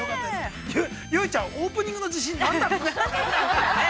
結実ちゃんオープニングの自信は何だったの？